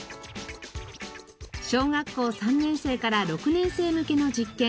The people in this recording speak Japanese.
小学校３年生から６年生向けの実験